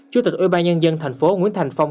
chủ tịch ủy ban nhân dân thành phố nguyễn thành phong